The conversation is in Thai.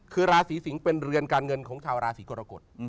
คือราศีสิงศ์เป็นเรือนการเงินของชาวราศีกรกฎ